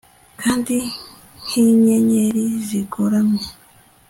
Kandi nkinyenyeri zigoramye